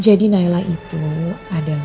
jadi nailah itu adalah